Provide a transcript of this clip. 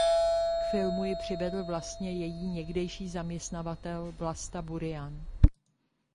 K filmu ji přivedl vlastně její někdejší zaměstnavatel Vlasta Burian.